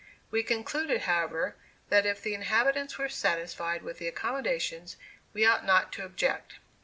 We concluded, however, that if the inhabitants were satisfied with the accommodations, we ought not to object.